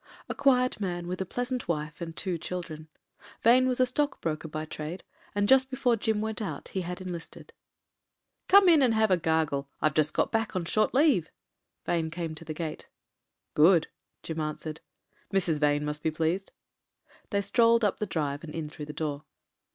A quiet man, with a pleasant wife and two children. Vane was a stock broker by trade : and just before Jim went out he had enlisted. "Come in and have a gargle. I've just got back on short leave." Vane came to the gate. "Good," Jim answered. "Mrs. Vane must be pleased." They strolled up the drive and in through the door.